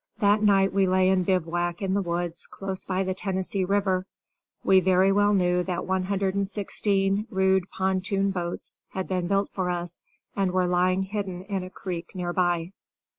That night we lay in bivouac in the woods close by the Tennessee River. We very well knew that 116 rude pontoon boats had been built for us and were lying hidden in a creek near by.